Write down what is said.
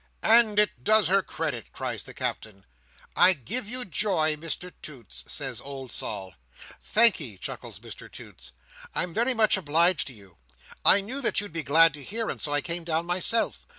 "And it does her credit!" cries the Captain. "I give you joy, Mr Toots!" says old Sol. "Thank'ee," chuckles Mr Toots, "I'm very much obliged to you. I knew that you'd be glad to hear, and so I came down myself.